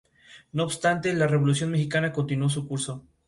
Esta superficie tiene un albedo bajo, y es tan oscura como el mar vecino.